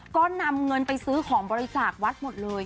ก็นำเงินไปซื้อของบริจาควัดหมดเลย